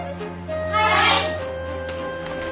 はい。